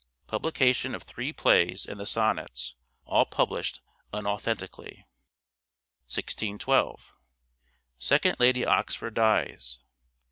Publication of three plays and the Sonnets, all published unauthentically. 1612. Second Lady Oxford dies.